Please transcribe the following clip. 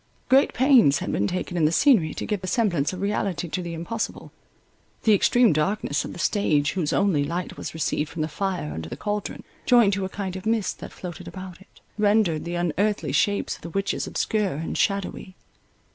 Great pains had been taken in the scenery to give the semblance of reality to the impossible. The extreme darkness of the stage, whose only light was received from the fire under the cauldron, joined to a kind of mist that floated about it, rendered the unearthly shapes of the witches obscure and shadowy.